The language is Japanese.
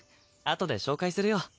あとで紹介するよ。